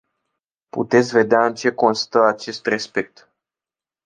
Puteți vedea în ce constă acest respect.